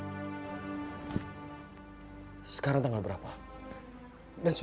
dia kebetulan ny brains